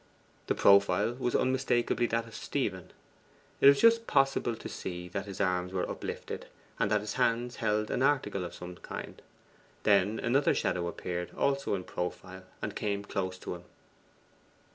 The profile was unmistakably that of Stephen. It was just possible to see that his arms were uplifted, and that his hands held an article of some kind. Then another shadow appeared also in profile and came close to him.